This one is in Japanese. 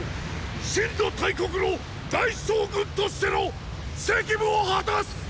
真の大国の大将軍としての責務を果たす！